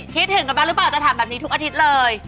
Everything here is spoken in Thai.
คิดถึงกันบ้างหรือเปล่าจะถามแบบนี้ทุกอาทิตย์เลย